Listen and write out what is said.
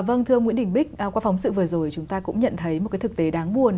vâng thưa ông nguyễn đình bích qua phóng sự vừa rồi chúng ta cũng nhận thấy một cái thực tế đáng buồn